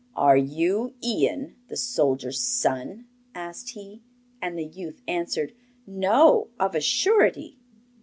'Are you Ian, the soldier's son?' asked he. And the youth answered: 'No, of a surety.